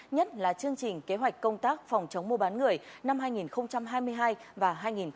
nhất là chương trình kế hoạch công tác phòng chống mua bán người năm hai nghìn hai mươi hai và hai nghìn hai mươi bốn